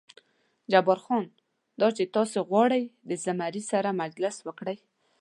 جبار خان: دا چې تاسې غواړئ د زمري سره مجلس وکړئ.